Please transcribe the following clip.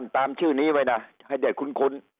ตามชื่อนี้ไว้นะให้ได้คุ้น